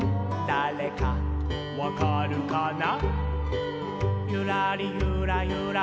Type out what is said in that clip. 「だれかわかるかな？」